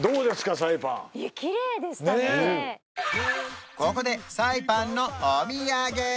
サイパンここでサイパンのお土産